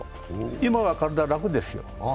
今は体、楽ですよ。